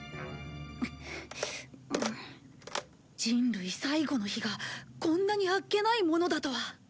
人類最後の日がこんなにあっけないものだとは。